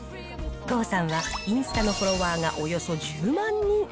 豪さんはインスタのフォロワーがおよそ１０万人。